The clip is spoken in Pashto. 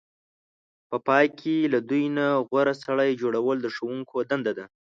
په پای کې له دوی نه غوره سړی جوړول د ښوونکو دنده ده.